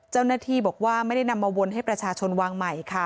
เจ้าหน้าที่บอกว่าไม่ได้นำมาวนให้ประชาชนวางใหม่ค่ะ